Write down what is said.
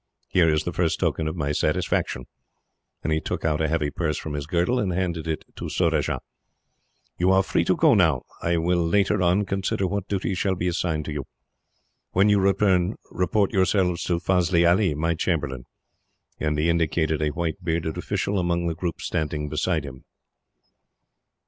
"Here is the first token of my satisfaction;" and he took out a heavy purse from his girdle, and handed it to Surajah. "You are free to go now. I will, later on, consider what duties shall be assigned to you. When you return, report yourselves to Fazli Ali, my chamberlain;" and he indicated a white bearded official, among the group standing beside him.